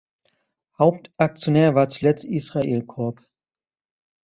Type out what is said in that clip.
Hauptaktionär war zuletzt Israel Corp.